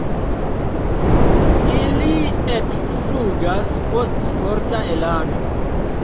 Ili ekflugas post forta elano.